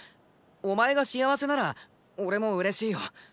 お前が幸せなら俺も嬉しいよ。